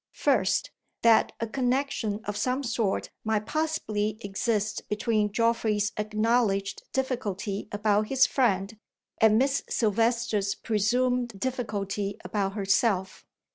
First, that a connection of some sort might possibly exist between Geoffrey's acknowledged difficulty about his friend, and Miss Silvester's presumed difficulty about herself.